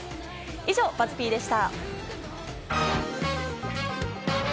以上、ＢＵＺＺ−Ｐでした。